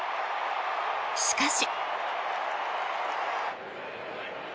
しかし。